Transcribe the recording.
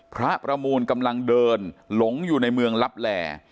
พระประมูลกำลังเดินหลงอยู่ในเมืองลับแหล่